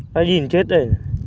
phải nhìn chết đây